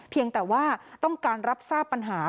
เพียงแต่ว่าต้องการรับทราบปัญหา